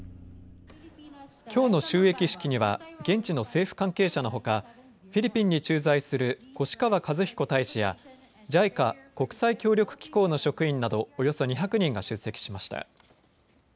きょうの就役式には現地の政府関係者のほかフィリピンに駐在する越川和彦大使やＪＩＣＡ・国際協力機構の職員などおよそ２００人が出席しました。